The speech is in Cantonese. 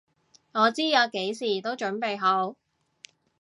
我知我幾時都準備好！